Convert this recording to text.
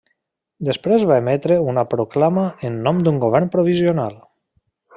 Després va emetre una proclama en nom d'un govern provisional.